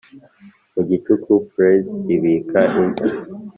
mu gicuku pulleys ibika imva.